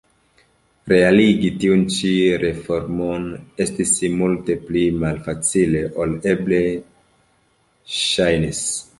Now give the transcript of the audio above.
Realigi tiun ĉi reformon estis multe pli malfacile ol eble ŝajnis.